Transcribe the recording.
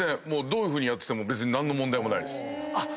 どういうふうにやってても別に何の問題もないです。